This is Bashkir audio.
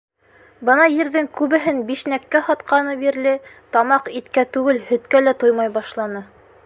Бына ерҙең күбеһен бишнәккә һатҡаны бирле, тамаҡ иткә түгел, һөткә лә туймай башланы.